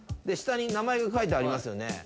下に名前が書いてありますよね。